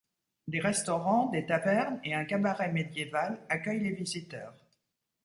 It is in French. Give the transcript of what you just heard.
Des restaurants, des tavernes et un cabaret médiéval accueillent les visiteurs.